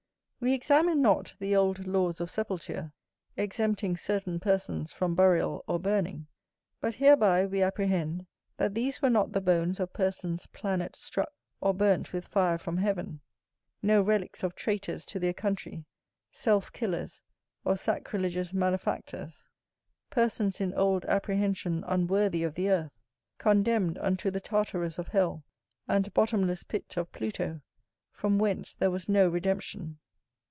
We examine not the old laws of sepulture, exempting certain persons from burial or burning. But hereby we apprehend that these were not the bones of persons planet struck or burnt with fire from heaven; no relicks of traitors to their country, self killers, or sacrilegious malefactors; persons in old apprehension unworthy of the earth; condemned unto the Tartarus of hell, and bottomless pit of Pluto, from whence there was no redemption.